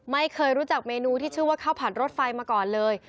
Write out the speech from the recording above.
ไม่เคยรู้จักเมนูที่ชื่อว่าข้าวผัดรถไฟมาก่อนเลย